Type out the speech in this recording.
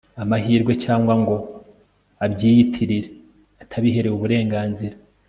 amahirwe cyangwa ngo abyiyitirire atabiherewe uburenganzira